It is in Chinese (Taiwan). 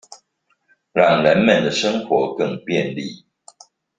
讓人們的生活更便利